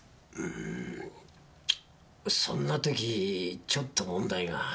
そんな時ちょっと問題が。